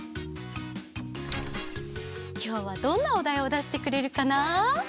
きょうはどんなおだいをだしてくれるかな？